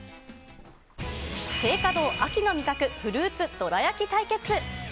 青果堂、秋の味覚、フルーツどら焼き対決。